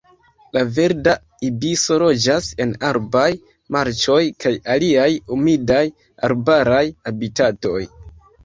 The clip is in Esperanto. La Verda ibiso loĝas en arbaraj marĉoj kaj aliaj humidaj arbaraj habitatoj.